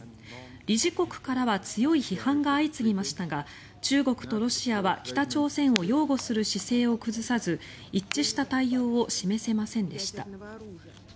理事国からは強い批判が相次ぎましたが中国とロシアは北朝鮮を擁護する姿勢を崩さず一致した対応を示せませんでした。